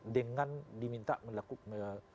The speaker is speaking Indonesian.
dengan diminta melakukan